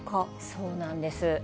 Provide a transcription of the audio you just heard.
そうなんです。